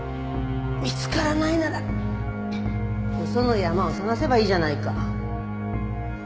見つからないならよその山を探せばいいじゃないか。